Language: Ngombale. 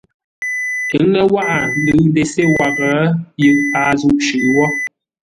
Ə́ ŋə́ wághʼə ndʉʉ ndesé waghʼə yʉʼ paghʼə zúʼ shʉʼʉ wó.